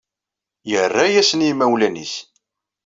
Yerra-asen i yimawlan-nnes.